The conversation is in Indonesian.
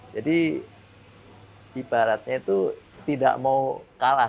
jadi ibaratnya itu tidak mau kalah